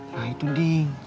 nah itu ding